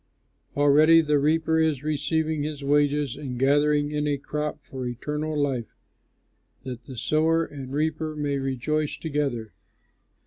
Already the reaper is receiving his wages and gathering in a crop for eternal life, that the sower and reaper may rejoice together.